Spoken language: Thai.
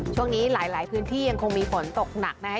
ช่วงนี้หลายพื้นที่ยังคงมีฝนตกหนักนะคะ